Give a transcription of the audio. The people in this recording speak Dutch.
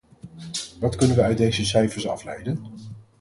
Wat kunnen we uit deze cijfers afleiden?